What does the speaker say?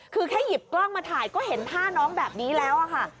คือแค่หยิบกล้องมาถ่ายก็เห็นท่าน้องแบบนี้แล้วค่ะ